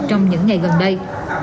trong những ngày gần đây